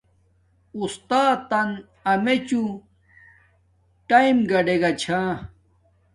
اُستاتن امیچو ٹیم گاڈگا چھا